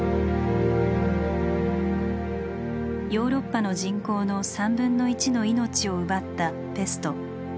ヨーロッパの人口の３分の１の命を奪ったペスト。